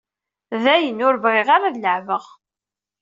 Dayen, ur bɣiɣ ara ad leɛbeɣ.